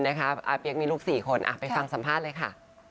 อาเปี๊ยกมีลูก๔คนไปฟังสัมภาษณ์เลยค่ะ